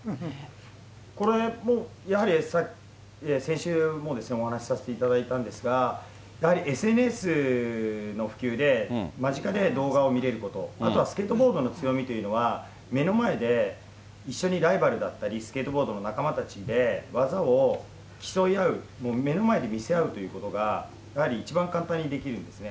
これもうやはり、先週もお話させていただいたんですが、やはりＳＮＳの普及で、間近で動画を見れること、あとはスケートボードの強みというのは、目の前で、一緒にライバルだったり、スケートボードの仲間たちで、技を競い合う、目の前で見せ合うということが、やはり一番簡単にできるんですね。